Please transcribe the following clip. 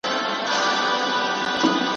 غر که هر څومره وي لوړ پر سر یې لار سته `